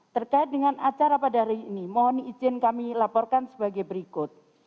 terkait dengan acara pada hari ini mohon izin kami laporkan sebagai berikut